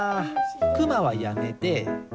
くまはやめて。